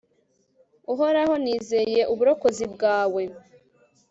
uhoraho, nizeye uburokozi bwawe